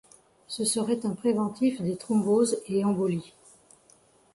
Ce serait un préventif des thromboses et embolies.